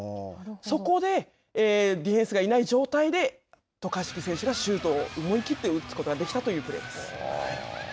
そこでディフェンスがいない状態で、渡嘉敷選手がシュートを思い切って打つことができたというプレーです。